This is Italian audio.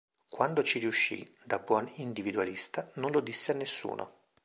Quando ci riuscì, da buon individualista, non lo disse a nessuno.